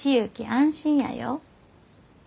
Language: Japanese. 安心やよ。